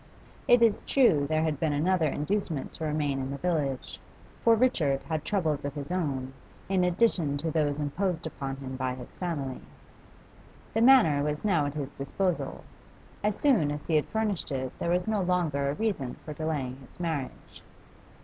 It is true there had been another inducement to remain in the village, for Richard had troubles of his own in addition to those imposed upon him by his family. The Manor was now at his disposal; as soon as he had furnished it there was no longer a reason for delaying his marriage.